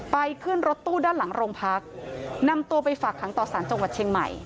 ขึ้นรถตู้ด้านหลังโรงพักนำตัวไปฝากขังต่อสารจังหวัดเชียงใหม่